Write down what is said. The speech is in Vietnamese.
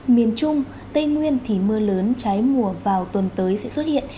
miền trung tây nguyên thì mưa lớn trái mùa vào tuần tới sẽ xuất hiện